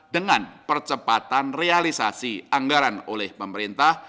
dengan percepatan realisasi anggaran oleh pemerintah